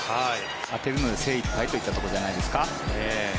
当てるので精いっぱいといったところじゃないですか。